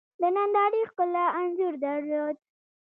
د نندارې ښکلا انځور درلود.